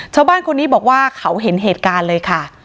ชาวบ้านคนนี้บอกว่าเขาเห็นเหตุการณ์เลยค่ะ